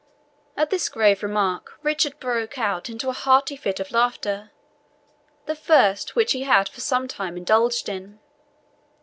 At this grave remark Richard burst out into a hearty fit of laughter, the first which he had for some time indulged in.